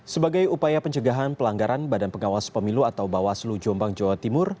sebagai upaya pencegahan pelanggaran badan pengawas pemilu atau bawaslu jombang jawa timur